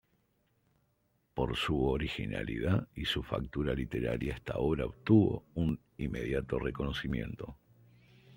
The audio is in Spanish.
Por su originalidad y su factura literaria esta obra obtuvo un inmediato reconocimiento.